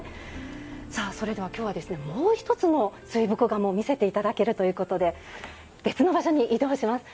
さあそれでは今日はもう一つの水墨画も見せて頂けるということで別の場所に移動します。